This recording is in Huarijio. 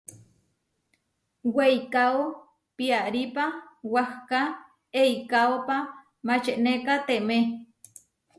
Weikáo piarípa wahká eikaópa mačenekatemé.